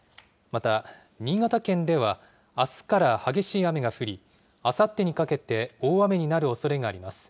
また、新潟県ではあすから激しい雨が降り、あさってにかけて大雨になるおそれがあります。